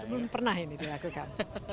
belum pernah ini dilakukan